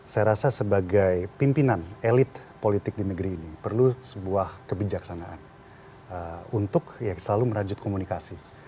saya rasa sebagai pimpinan elit politik di negeri ini perlu sebuah kebijaksanaan untuk selalu merajut komunikasi